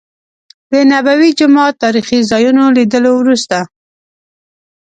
د نبوي جومات تاريخي ځا يونو لیدلو وروسته.